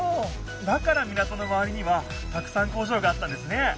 だから港のまわりにはたくさん工場があったんですね！